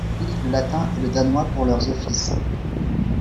Les moniales utilisent le latin et le danois pour leurs offices.